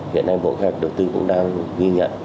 hiện nay bộ khác đầu tư cũng đang ghi nhận